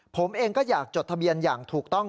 ผมเองก็อยากจดทะเบียนอย่างถูกต้อง